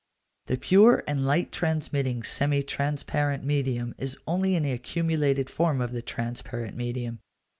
The pure and light transmitting semi transparent medium is only an accumulated form of the transparent medium.